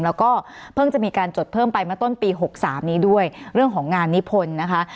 แล้วก็เพิ่งจะมีการจดเพิ่มไปเมื่อต้นปี๖๓นี้ด้วยเรื่องของงานนิพนธ์นะคะ